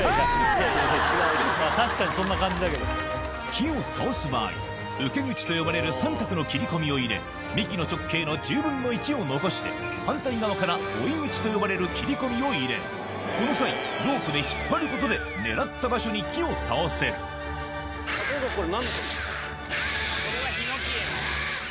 木を倒す場合受け口と呼ばれる三角の切り込みを入れ幹の直径の１０分の１を残して反対側から追い口と呼ばれる切り込みを入れるこの際ロープで引っ張ることで狙った場所に木を倒せるこれ。